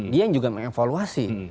dia yang juga mengevaluasi